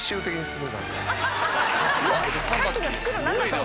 さっきの袋何だったの？